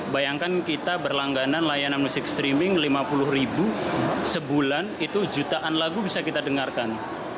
bayangkan kita berlangganan layanan musik streaming lima puluh ribu sebulan itu jutaan lagu bisa kita dengarkan